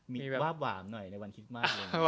มีวาบหวามหน่อยในวันคิสมาส